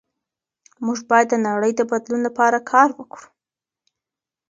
موږ باید د نړۍ د بدلون لپاره کار وکړو.